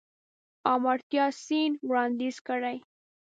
آمارتیا سېن وړانديز کړی.